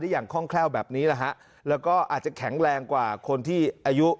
อย่างคล่องแคล่วแบบนี้แหละฮะแล้วก็อาจจะแข็งแรงกว่าคนที่อายุ